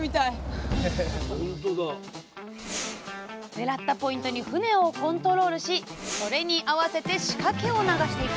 狙ったポイントに船をコントロールしそれに合わせて仕掛けを流していく。